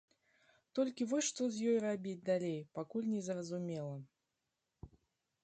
Толькі вось што з ёй рабіць далей, пакуль незразумела.